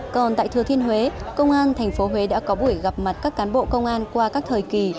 còn tại thừa thiên huế công an tp huế đã có buổi gặp mặt các cán bộ công an qua các thời kỳ